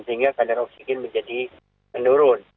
sehingga kadar oksigen menjadi menurun